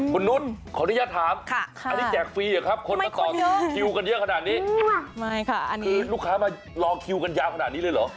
คุณนุษย์ขออนุญาตถามอันนี้แจกฟรีเหรอครับคนมาต่อคิวกันเยอะขนาดนี้ไม่ค่ะอันนี้คือลูกค้ามารอคิวกันยาวขนาดนี้เลยเหรอ